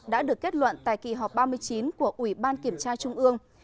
đã được kết luận tại kỳ họp ba mươi chín của ủy ban kiểm tra trung ương